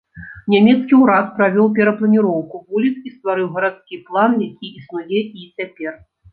Нямецкі ўрад правёў перапланіроўку вуліц і стварыў гарадскі план, які існуе і цяпер.